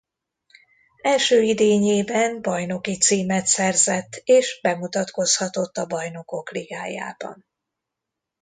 Első idényében bajnoki címet szerzett és bemutakozhatott a Bajnokok Ligájában.